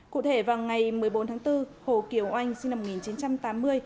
cụ thể vào ngày một mươi bốn tháng bốn hồ kiều oanh sinh năm một nghìn chín trăm tám mươi